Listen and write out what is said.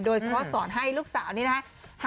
โดยเฉพาะสอนให้ลูกสาวนี้นะคะ